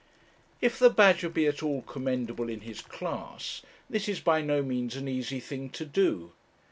If the badger be at all commendable in his class this is by no means an easy thing to do.